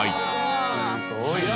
すごいな。